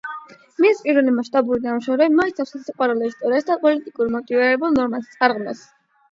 მისი პირველი მასშტაბური ნამუშევრები მოიცავს სასიყვარულო ისტორიას და პოლიტიკურად მოტივირებულ რომანს, წარღვნას.